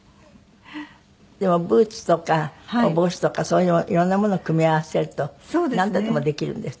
でもブーツとかお帽子とかそういう色んなものを組み合わせるとなんとでもできるんですって？